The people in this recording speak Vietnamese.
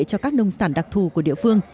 cho các nông sản đặc thù của địa phương